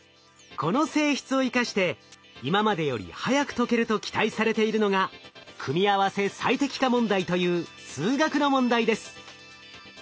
この性質を生かして今までより速く解けると期待されているのが組合せ最適化問題という数学の問題です。